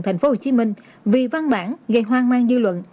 thành phố hồ chí minh vì văn bản gây hoang mang dư luận